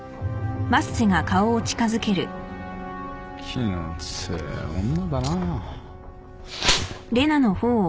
気の強え女だな。